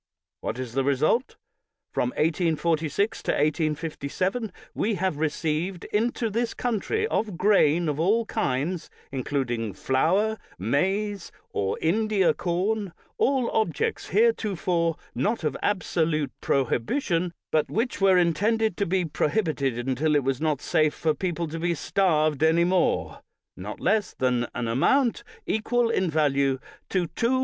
What is the result? From 1846 to 1857 we have received into this country of grain of all kinds, including flour, maize, or India corn — all objects hereto fore not of absolute prohibition, but which were intended to be prohibited until it was not safe for people to be starved any more — not less than an amount equal in value to 224,000,000?.